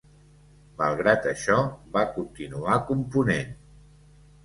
Malgrat això, va continuar component.